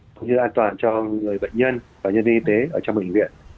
cũng như an toàn cho người bệnh nhân và nhân viên y tế ở trong bệnh viện